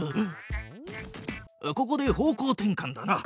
ここで方向転かんだな。